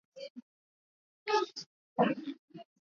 Matokeo yalicheleweshwa na mwalimu.